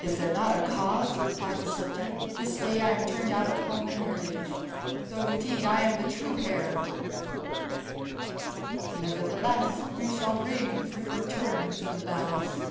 "Is there not a cause?" replied the soldier. "This day I am turned out of home and heritage, though indeed I am the true heir." "Nevertheless we shall ring for your return," said the bells.